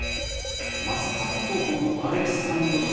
マスカット・オブ・アレキサンドリア。